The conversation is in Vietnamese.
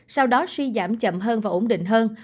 sau đó suy giảm chậm hơn và ổn định hơn